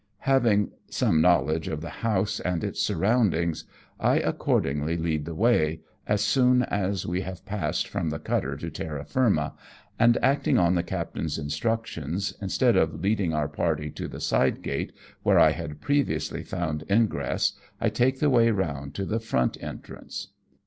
Having some knowledge of the house and its sur roundings, I accordingly lead the way, as soon as we JVi: MAKE A VISIT TO THE SHORE. i6i have passed from the cutter to terra firma, and, acting on the captain's instructions, instead of leading our party to the side gate, where I had previously found ingress, I take the way round to the front entrance.